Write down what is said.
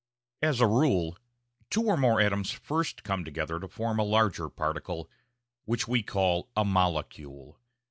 As a rule, two or more atoms first come together to form a larger particle, which we call a "molecule."